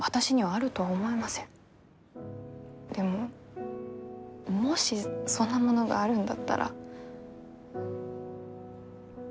でももしそんなものがあるんだったら見つけましょう。